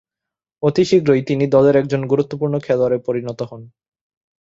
অতি শীঘ্রই তিনি দলের একজন গুরুত্বপূর্ণ খেলোয়াড়ে পরিণত হন।